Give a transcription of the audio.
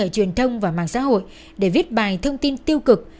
để viết bài thông tin tiêu cực